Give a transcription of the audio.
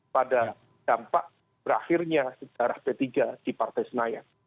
pada dampak berakhirnya sejarah p tiga di partai senayan